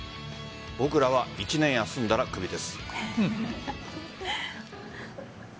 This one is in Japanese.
僕らは１年休んだらクビです。